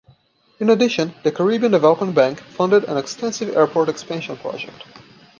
In addition, the Caribbean Development Bank funded an extensive airport expansion project.